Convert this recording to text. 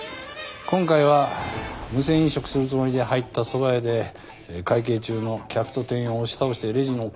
今回は無銭飲食するつもりで入ったそば屋で会計中の客と店員を押し倒してレジの金を奪って逃走。